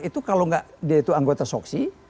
itu kalau nggak dia itu anggota soksi